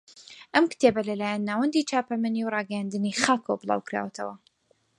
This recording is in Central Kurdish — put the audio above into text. ئەم کتێبە لەلایەن ناوەندی چاپەمەنی و ڕاگەیاندنی خاکەوە بڵاو کراوەتەوە